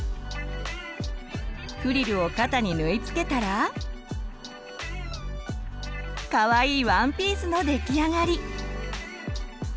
フリルを肩に縫い付けたらかわいいワンピースの出来上がり！